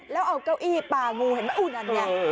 แล้วเอาเก้าอี้ป่างูเห็นไหมอู่นั่นเนี่ย